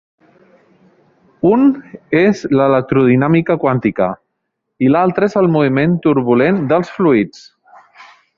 Un és l'electrodinàmica quàntica i l'altre és el moviment turbulent dels fluids.